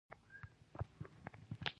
زه په بس کي درځم.